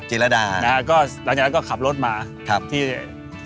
หลังจากนี้ก็ขับรถมาที่สนามหลวง